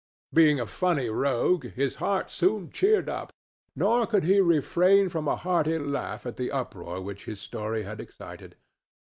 Being a funny rogue, his heart soon cheered up; nor could he refrain from a hearty laugh at the uproar which his story had excited.